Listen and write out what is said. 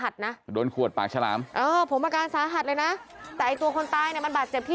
โดนขวดปากชาล้าม